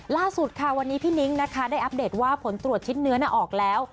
ล่าสุดค่ะวันนี้พี่นิ้งนะคะได้อัปเดตว่าผลตรวจชิ้นเนื้อออกแล้ว